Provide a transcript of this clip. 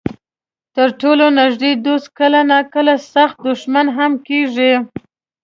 تر ټولو نږدې دوست کله ناکله سخت دښمن هم کېږي.